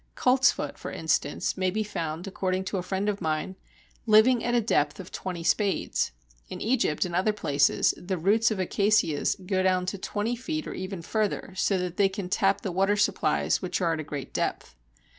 Coltsfoot, for instance, may be found, according to a friend of mine, living at a depth of twenty spades. In Egypt and other places the roots of acacias go down to twenty feet or even further, so that they can tap the water supplies, which are at a great depth.